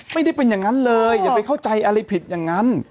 ไม่ได้เป็นอย่างนั้นเลยอย่าไปเข้าใจอะไรผิดอย่างนั้น